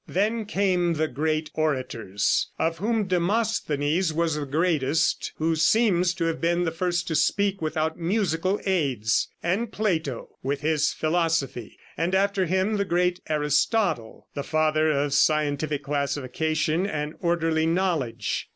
Then came the great orators, of whom Demosthenes was the greatest, who seems to have been the first to speak without musical aids; and Plato, with his philosophy; and after him the great Aristotle, the father of scientific classification and orderly knowledge.